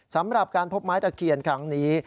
สำหรับการพบไม้ตะเคียนครั้งนี้